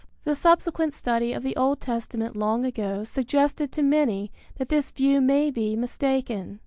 The subsequent study of the Old Testament long ago suggested to many that this view may be mistaken.